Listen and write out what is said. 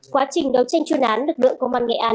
quá trình đấu tranh chuyên án lực lượng công an nghệ an